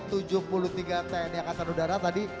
tni akademodara tadi